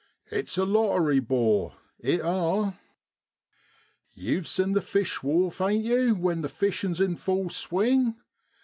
It's a lottery, 'bor, it are. * Yew've seen the Fish wharf, ain't yew, when the fishin's in full swing